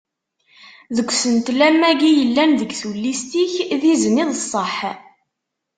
Deg usentel am wagi yellan deg tullist-ik d izen i d sseḥ.